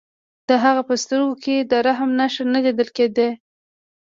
د هغه په سترګو کې د رحم نښه نه لیدل کېده